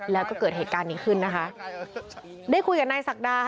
แล้วก็เกิดเหตุการณ์นี้ขึ้นนะคะได้คุยกับนายศักดาค่ะ